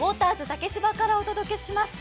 竹芝からお届けします。